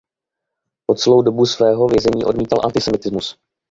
Po celou dobu svého vězení odmítal antisemitismus.